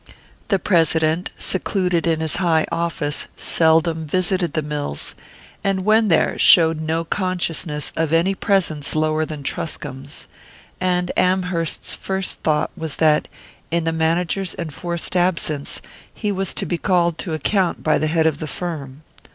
The President, secluded in his high office, seldom visited the mills, and when there showed no consciousness of any presence lower than Truscomb's; and Amherst's first thought was that, in the manager's enforced absence, he was to be called to account by the head of the firm.